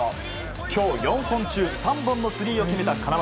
今日４本中３本のスリーを決めた金丸。